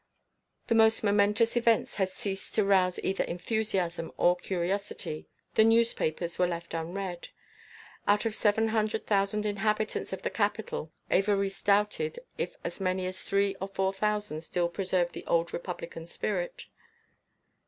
The most momentous events had ceased to rouse either enthusiasm or curiosity; the newspapers were left unread. Out of the seven hundred thousand inhabitants of the capital Évariste doubted if as many as three or four thousand still preserved the old Republican spirit.